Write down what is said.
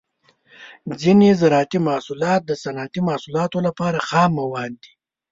ځینې زراعتي محصولات د صنعتي محصولاتو لپاره خام مواد دي.